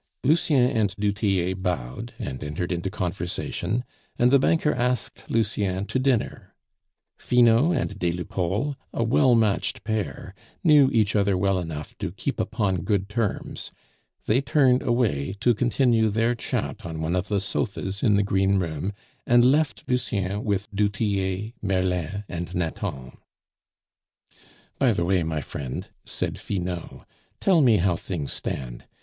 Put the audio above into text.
Lucien and du Tillet bowed, and entered into conversation, and the banker asked Lucien to dinner. Finot and des Lupeaulx, a well matched pair, knew each other well enough to keep upon good terms; they turned away to continue their chat on one of the sofas in the greenroom, and left Lucien with du Tillet, Merlin, and Nathan. "By the way, my friend," said Finot, "tell me how things stand.